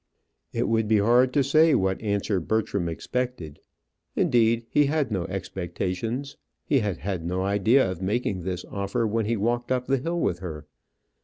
It would be hard to say what answer Bertram expected; indeed, he had no expectations. He had had no idea of making this offer when he walked up the hill with her.